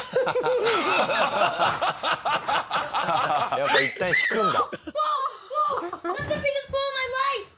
やっぱいったん引くんだ。